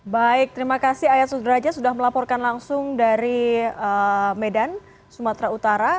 baik terima kasih ayat sudraja sudah melaporkan langsung dari medan sumatera utara